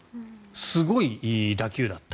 すごい打球だった。